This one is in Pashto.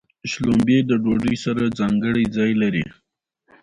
متل دی: ډېرې ورته پیدا کېدلې نه په لږو باندې کبر کوي.